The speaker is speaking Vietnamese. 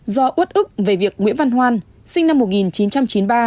do út ức về việc nguyễn văn hoan sinh năm một nghìn chín trăm chín mươi ba